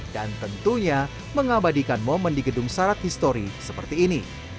dan tentunya mengabadikan momen di gedung syarat histori seperti ini